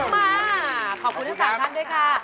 มาขอบคุณทั้ง๓ท่านด้วยค่ะ